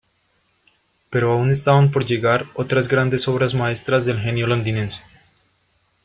Pero aún estaban por llegar otras grandes obras maestras del genio londinense.